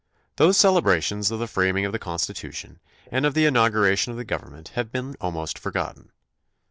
Those celebrations of the framing of the Constitu tion and of the inauguration of the, government have been almost forgotten.